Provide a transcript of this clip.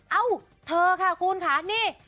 เอ้าเธอค่ะคุณค่ะนี่